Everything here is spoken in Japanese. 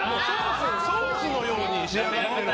ソースのように仕上がってる。